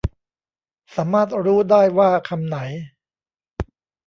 สามารถรู้ได้ว่าคำไหน